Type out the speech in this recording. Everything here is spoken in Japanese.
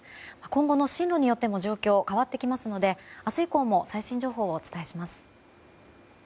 今後の進路によっても状況は変わってきますので明日以降も最新情報をお伝えします。